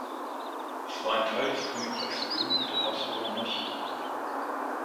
Es war ein Teil des Königreichs Böhmen und der Habsburgermonarchie.